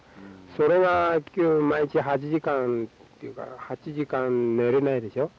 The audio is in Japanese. それが毎日８時間っていうか８時間寝れないでしょ。